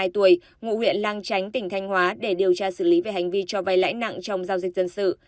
ba mươi hai tuổi ngụ huyện lang chánh tỉnh thanh hóa để điều tra xử lý về hành vi cho vai lãi nặng trong giao dịch dân sự